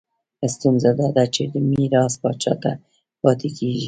ستونزه دا ده چې میراث پاچا ته پاتې کېږي.